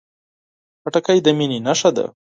خټکی د مینې نښه ده.